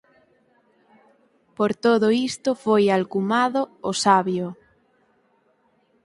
Por todo isto foi alcumado "o Sabio".